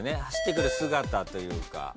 走ってくる姿というか。